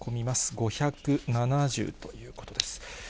５７０ということです。